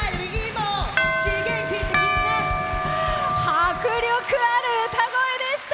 迫力ある歌声でした。